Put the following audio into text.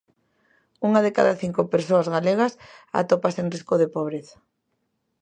Unha de cada cinco persoas galegas atópase en risco de pobreza.